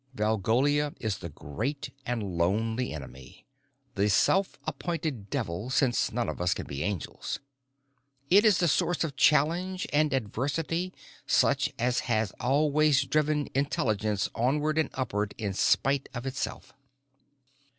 Valgolia is the great and lonely enemy, the self appointed Devil since none of us can be angels. It is the source of challenge and adversity such as has always driven intelligence onward and upward, in spite of itself.